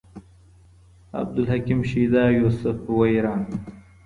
عبدالحکيم شيدا يوسف ويران